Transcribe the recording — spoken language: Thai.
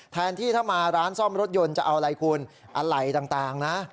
แทนที่ถ้ามาร้านซ่อมรถยนต์จะเอาอะไรคุณอะไรต่างนะ